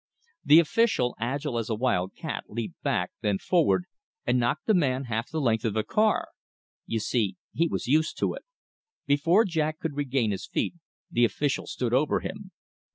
The official, agile as a wild cat, leaped back, then forward, and knocked the man half the length of the car. You see, he was used to it. Before Jack could regain his feet the official stood over him.